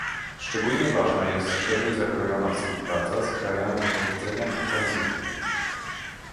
Szczególnie ważna jest szerzej zakrojona współpraca z krajami pochodzenia i tranzytu